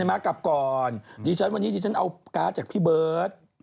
เรียกกับก่อนวันนี้ที่ฉันเอาการ์ดจากพี่เบิร์ด